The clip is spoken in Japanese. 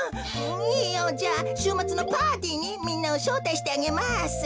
いいよ。じゃあしゅうまつのパーティーにみんなをしょうたいしてあげます。